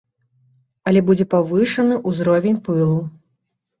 Але будзе павышаны ўзровень пылу.